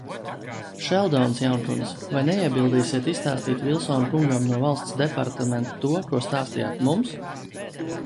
Šeldonas jaunkundz, vai neiebildīsiet izstāstīt Vilsona kungam no Valsts departamenta to, ko stāstījāt mums?